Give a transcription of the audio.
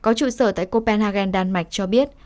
có trụ sở tại copenhagen đan mạch cho biết